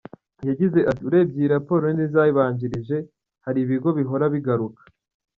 Yagize ati “Urebye iyi raporo n’izayibanjirije, hari ibigo bihora bigaruka.